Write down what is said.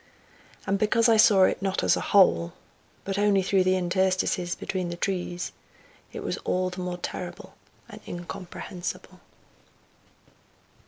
And because I saw it not as a whole, but only through the interstices between the trees, it was all the more terrible and incomprehensible.